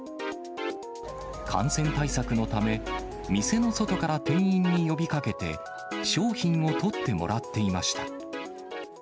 感染対策のため、店の外から店員に呼びかけて、商品を取ってもらっていました。